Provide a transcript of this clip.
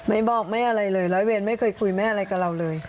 ไม่บอกไม่อะไรเลยร้อยเวรไม่เคยคุยไม่อะไรกับเราเลย